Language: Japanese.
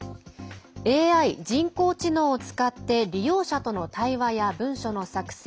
ＡＩ＝人工知能を使って利用者との対話や文書の作成